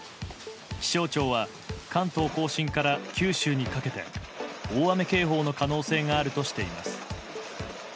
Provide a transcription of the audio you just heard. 気象庁は関東・甲信から九州にかけて大雨警報の可能性があるとしています。